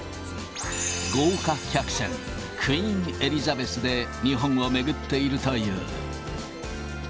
豪華客船、クイーン・エリザベスで日本を巡っているという。